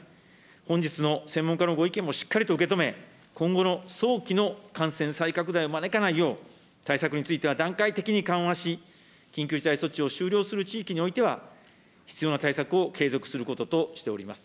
本日の専門家のご意見もしっかりと受け止め、今後の早期の感染再拡大を招かないよう、対策については段階的に緩和し、緊急事態措置を終了する地域においては、必要な対策を継続することとしております。